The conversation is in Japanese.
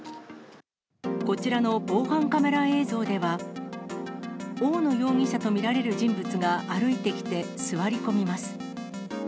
こちらの防犯カメラ映像では、大野容疑者と見られる人物が歩いてきて、座り込みます。